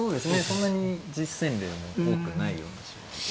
そんなに実戦例も多くないような将棋で。